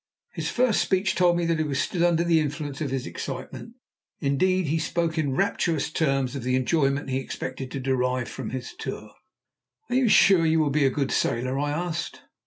His first speech told me that he was still under the influence of his excitement; indeed, he spoke in rapturous terms of the enjoyment he expected to derive from his tour. "Are you sure you will be a good sailor?" I asked.